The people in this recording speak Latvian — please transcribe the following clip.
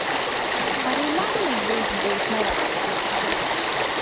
Arī mammas drīkst būt nerātnas!